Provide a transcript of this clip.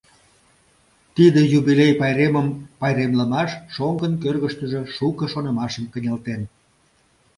Тиде юбилей пайремым пайремлымаш шоҥгын кӧргыштыжӧ шуко шонымашым кынелтен.